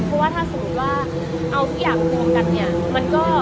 เพราะว่าถ้าสมมติว่าเอาทุกอย่างกลวงลงกันเนี่ย